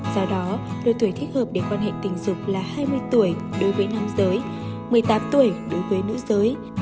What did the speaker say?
do đó độ tuổi thích hợp để quan hệ tình dục là hai mươi tuổi đối với nam giới một mươi tám tuổi đối với nữ giới